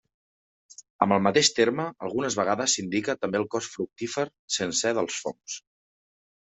Amb el mateix terme algunes vegades s'indica també el cos fructífer sencer dels fongs.